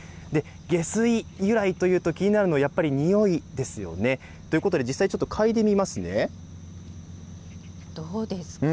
下水由来というと、気になるのは、やっぱり気になるのはにおいですよね。ということで、実際ちょっとかいどうですか？